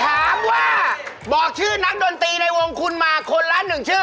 บอกว่าบอกชื่อนักดนตรีในวงคุณมาคนละหนึ่งชื่อ